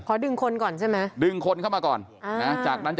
ขอดึงคนก่อนใช่ไหมดึงคนเข้ามาก่อน